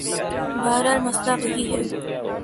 بہرحال مسئلہ وہی ہے۔